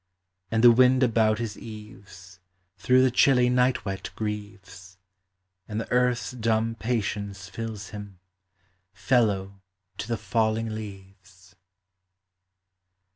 And the wind about his eaves Through the chilly night wet grieves. And the earth's dumb patience tills him, Fellow to the falling leaves.